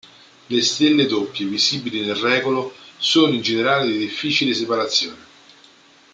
Le stelle doppie visibili nel Regolo sono in generale di difficile separazione.